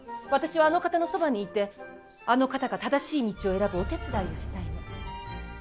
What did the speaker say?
私はあの方のそばにいてあの方が正しい道を選ぶお手伝いをしたいの。